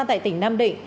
tại tỉnh nam định